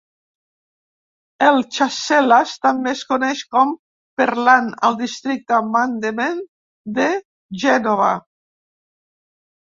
El Chasselas també es coneix com "Perlan" al districte Mandement de Gènova.